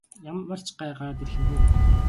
Ямар ч гай гараад ирэх юм бүү мэд.